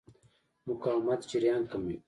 مقاومت جریان کموي.